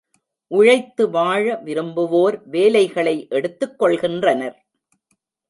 உழைத்து வாழ விரும்புவோர் வேலைகளை எடுத்துக் கொள்கின்றனர்.